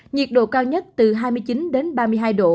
nhiệt độ cao nhất từ hai mươi chín đến ba mươi hai độ